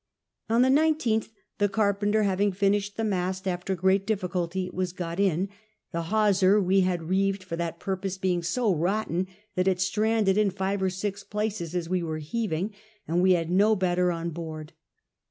On the lOtli the carpenter having finished the mast, after great difficulty it was got in ; the hawser we had reeved for that purpose being so rotten that it stranded in five or six places as we were heaving, and we had no better on board.